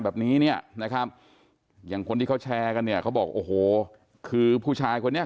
แบบนี้เนี่ยนะครับอย่างคนที่เขาแชร์กันเนี่ยเขาบอกโอ้โหคือผู้ชายคนนี้